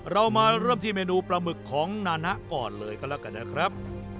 เรามาเริ่มที่เมนูปลาหมึกของนานะก่อนเลยก็แล้วกันนะครับ